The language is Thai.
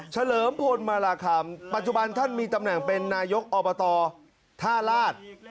เลิมพลมาราคำปัจจุบันท่านมีตำแหน่งเป็นนายกอบตท่าลาศ